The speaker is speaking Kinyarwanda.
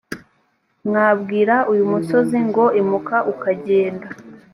mwabwira uyu musozi ngo imuka ukagenda